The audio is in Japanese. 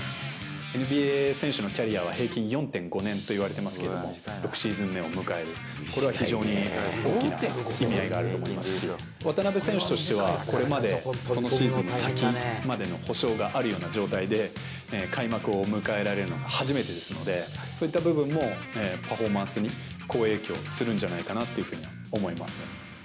ＮＢＡ選手のキャリアは平均４．５年といわれてますけど、６シーズン目を迎える、これは非常に大きな意味合いがあると思いますし、渡邊選手としてはこれまでそのシーズンの先までの保証があるような状態で、開幕を迎えられるのは初めてですので、そういった部分もパフォーマンスに好影響するんじゃないかなというふうに思います。